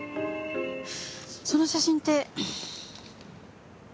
その写真って。